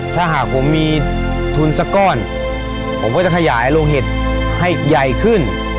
ถ้าหากผมมีทุนสักก้อนผมก็จะขยายโลเห็ดให้ใหญ่ขึ้น